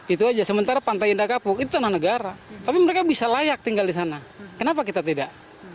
itu aja sementara pantai indah kapuk itu tanah negara tapi mereka bisa layak tinggal di sana kenapa kita tidak